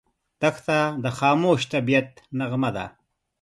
دښته د خاموش طبعیت نغمه ده.